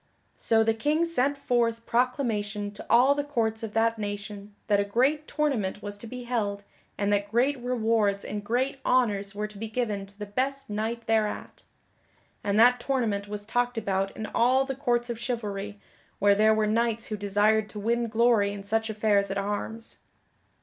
So the King sent forth proclamation to all the courts of that nation that a great tournament was to be held and that great rewards and great honors were to be given to the best knight thereat. And that tournament was talked about in all the courts of chivalry where there were knights who desired to win glory in such affairs at arms.